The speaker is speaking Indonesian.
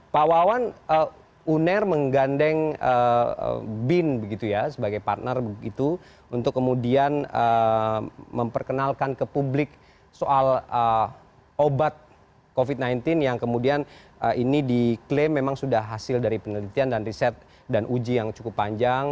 pak wawan uner menggandeng bin begitu ya sebagai partner begitu untuk kemudian memperkenalkan ke publik soal obat covid sembilan belas yang kemudian ini diklaim memang sudah hasil dari penelitian dan riset dan uji yang cukup panjang